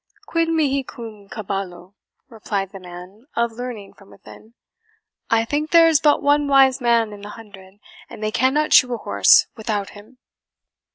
"QUID MIHI CUM CABALLO?" replied the man of learning from within; "I think there is but one wise man in the hundred, and they cannot shoe a horse without him!"